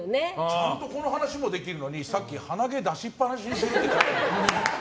ちゃんとこの話もできるのにさっき、鼻毛を出しっぱなしにしてる話を。